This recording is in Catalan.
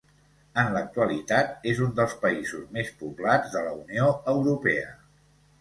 En l'actualitat és un dels països més poblats de la Unió Europea.